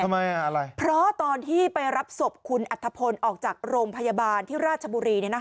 อะไรเพราะตอนที่ไปรับศพคุณอัธพลออกจากโรงพยาบาลที่ราชบุรี